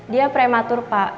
dia prematur pak